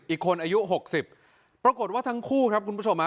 อีกคนอายุ๖๐ปรากฏว่าทั้งคู่ครับคุณผู้ชม